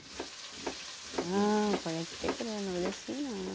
うんこれ来てくれるのうれしいな。